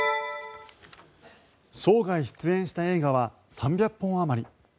生涯出演した映画は３００本あまり。